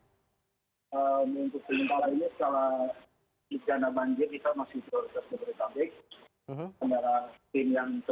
untuk sementara ini setelah dikandang banjir kita masih proses berpabrik